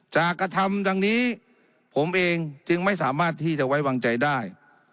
กระทำดังนี้ผมเองจึงไม่สามารถที่จะไว้วางใจได้